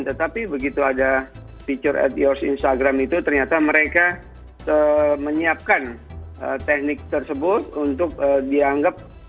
tetapi begitu ada feature ad yours instagram itu ternyata mereka menyiapkan teknik tersebut untuk dianggap